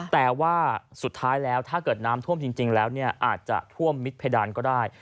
แต่ว่าสุดท้ายแล้วถ้าเกิดน้ำท่วมจริงแล้วอาจจะท่วมมิดเพดานก็ได้